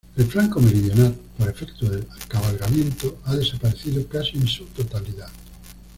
El flanco meridional, por efectos del cabalgamiento, ha desaparecido casi en su totalidad.